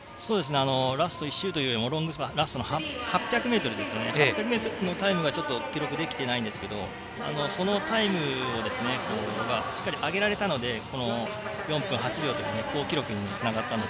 ラスト１周というよりもラストの８００ｍのタイムは記録できていないんですがそのタイムをしっかり上げられたので４分８秒という好記録につながったんだと。